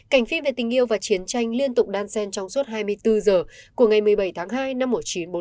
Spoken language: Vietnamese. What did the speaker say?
cảnh phim về tình yêu và chiến tranh liên tục đan sen trong suốt hai mươi bốn giờ của ngày một mươi bảy tháng hai năm một nghìn chín trăm bốn mươi năm